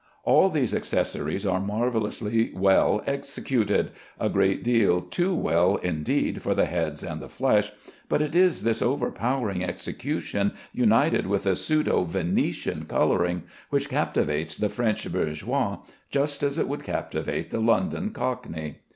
All these accessories are marvellously well executed, a great deal too well indeed for the heads and the flesh; but it is this overpowering execution, united with a pseudo Venetian coloring, which captivates the French bourgeois, just as it would captivate the London cockney.